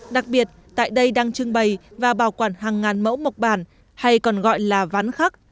đặc biệt tại đây đang trưng bày và bảo quản hàng ngàn mẫu mộc bản hay còn gọi là ván khắc